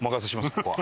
ここは。